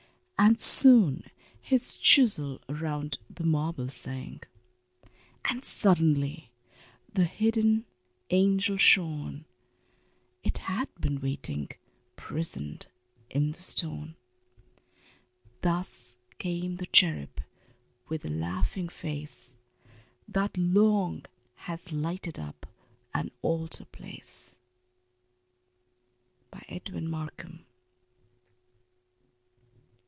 And soon his chisel round the marble sang, And suddenly the hidden angel shone: It had been waiting prisoned in the stone. Thus came the cherub with the laughing face That long has lighted up an altar place. _Edwin Markham.